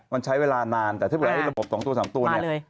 มันใช้เวลานานแต่ถ้าเผื่อให้ระบบ๒ตัว๓ตัวเนี่ย